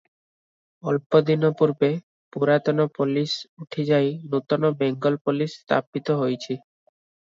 ଅଳ୍ପ ଦିନ ପୂର୍ବେ ପୁରାତନ ପୋଲିସ ଉଠି ଯାଇ ନୂତନ ବେଙ୍ଗଲ ପୋଲିସ ସ୍ଥାପିତ ହୋଇଛି ।